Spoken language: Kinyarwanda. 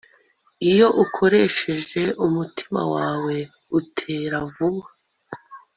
Iyo ukoresheje umutima wawe utera vuba